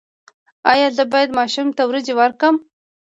ایا زه باید ماشوم ته وریجې ورکړم؟